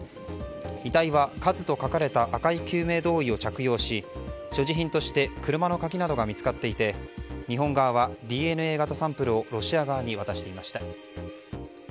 遺体は「ＫＡＺＵ」と書かれた赤い救命胴衣を着用し所持品として車の鍵などが見つかっていて日本側はＤＮＡ型サンプルをロシア側に渡していました。